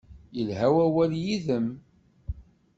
Yelha wawal yid-m.